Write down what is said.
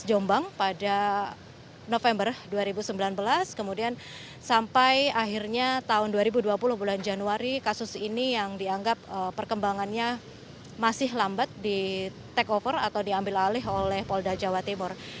jombang pada november dua ribu sembilan belas kemudian sampai akhirnya tahun dua ribu dua puluh bulan januari kasus ini yang dianggap perkembangannya masih lambat di take over atau diambil alih oleh polda jawa timur